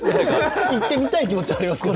行ってみたい気持ちも分かりますけど。